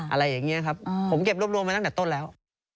อะไรอย่างนี้ครับผมเก็บรวบรวมมาตั้งแต่ต้นแล้ว